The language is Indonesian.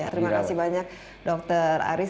terima kasih banyak dokter aris